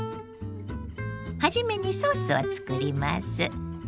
初めにソースを作ります。